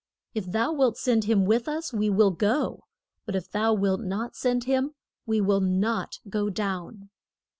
If thou wilt send him with us we will go; but if thou wilt not send him we will not go down.